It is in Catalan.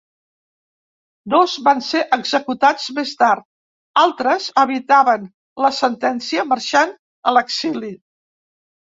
Dos van ser executats més tard, altres evitaven la sentència marxant a l'exili.